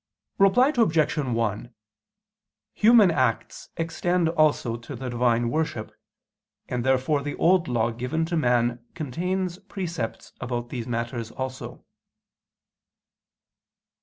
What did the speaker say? Reply Obj. 1: Human acts extend also to the Divine worship: and therefore the Old Law given to man contains precepts about these matters also.